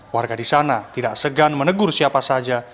warga di sana tidak segan menegur siapa saja